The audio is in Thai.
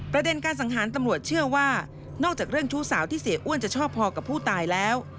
ประเด็นการสังหารตำรวจเชื่อว่านอกจากเรื่องชู้สาวที่เสียอ้วนจะชอบพอกับผู้ตายแล้ว